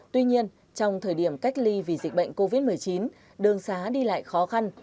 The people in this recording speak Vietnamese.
tuy nhiên trong thời điểm cách ly vì dịch bệnh covid một mươi chín đường xá đi lại khó khăn